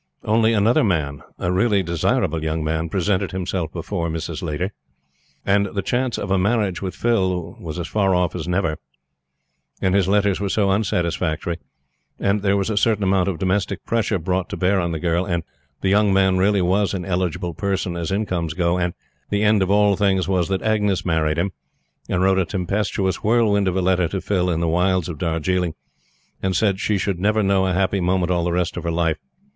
Only, another man a really desirable young man presented himself before Mrs. Laiter; and the chance of a marriage with Phil was as far off as ever; and his letters were so unsatisfactory; and there was a certain amount of domestic pressure brought to bear on the girl; and the young man really was an eligible person as incomes go; and the end of all things was that Agnes married him, and wrote a tempestuous whirlwind of a letter to Phil in the wilds of Darjiling, and said she should never know a happy moment all the rest of her life.